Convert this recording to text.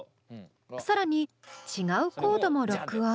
更に違うコードも録音。